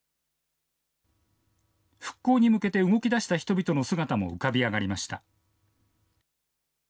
復興に向けて動きだした人々の姿も浮かび上がりました。